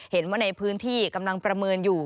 เห็นว่าในพื้นที่กำลังประเมินอยู่